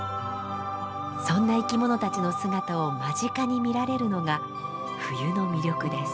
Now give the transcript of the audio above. そんな生き物たちの姿を間近に見られるのが冬の魅力です。